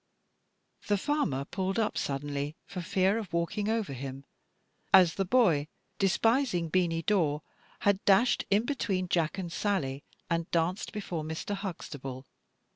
The farmer pulled up suddenly, for fear of walking over him, as the boy, despising Beany Dawe, had dashed in between Jack and Sally, and danced before Mr. Huxtable.